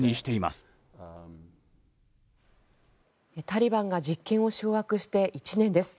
タリバンが実権を掌握して１年です。